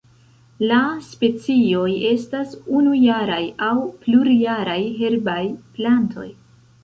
La specioj estas unujaraj aŭ plurjaraj herbaj plantoj.